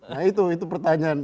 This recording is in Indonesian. nah itu itu pertanyaan